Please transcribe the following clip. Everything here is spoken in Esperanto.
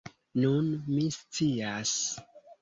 Nun, mi scias.